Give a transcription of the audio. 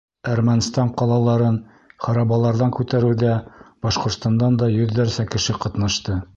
Әрмәнстан ҡалаларын харабаларҙан күтәреүҙә Башҡортостандан да йөҙҙәрсә кеше ҡатнашты.